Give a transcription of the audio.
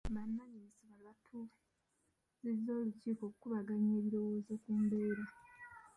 Bannannyini ssomero baatuuzizza olukiiko okukubaganya ebirowoozo ku mbeera.